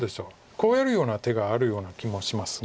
こうやるような手があるような気もします。